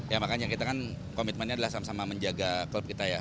ya makanya kita kan komitmennya adalah sama sama menjaga klub kita ya